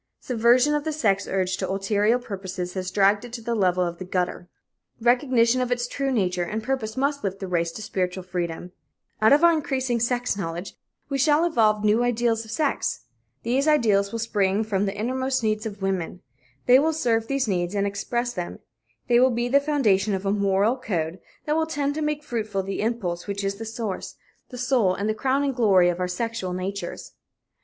Subversion of the sex urge to ulterior purposes has dragged it to the level of the gutter. Recognition of its true nature and purpose must lift the race to spiritual freedom. Out of our growing knowledge we are evolving new and saner ideas of life in general. Out of our increasing sex knowledge we shall evolve new ideals of sex. These ideals will spring from the innermost needs of women. They will serve these needs and express them. They will be the foundation of a moral code that will tend to make fruitful the impulse which is the source, the soul and the crowning glory of our sexual natures.